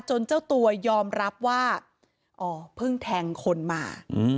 เจ้าตัวยอมรับว่าอ๋อเพิ่งแทงคนมา